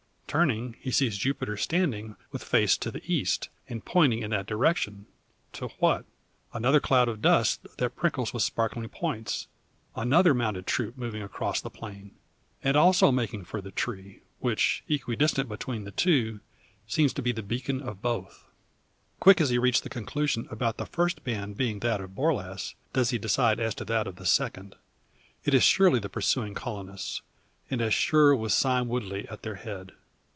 Turning, he sees Jupiter standing with face to the east, and pointing in that direction. To what? Another cloud of dust, that prinkles with sparkling points; another mounted troop moving across the plain! And also making for the tree, which, equi distant between the two, seems to be the beacon of both. Quick as he reached the conclusion about the first band being that of Borlasse, does he decide as to that of the second. It is surely the pursuing colonists, and as sure with Sime Woodley at their head.